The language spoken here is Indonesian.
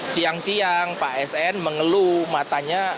siang siang pak sn mengeluh matanya